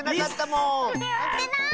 のってない！